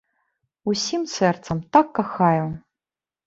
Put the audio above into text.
Усім сэрцам, так кахаю!